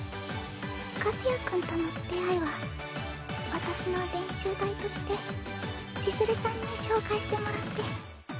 和也君との出会いは私の練習台として千鶴さんに紹介してもらって。